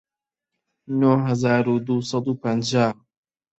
نۆ هەزار و دوو سەد و پەنجا